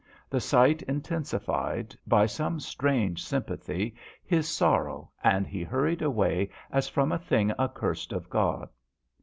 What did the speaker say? The sight in tensified, by some strange sym pathy, his sorrow, and he hurried away as from a thing accursed of God.